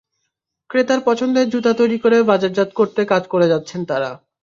ক্রেতার পছন্দের জুতা তৈরি করে বাজারজাত করতে কাজ করে যাচ্ছেন তাঁরা।